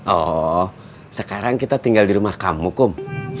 oh sekarang kita tinggal di rumah kamu kum